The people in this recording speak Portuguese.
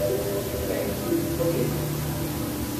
Bem, ok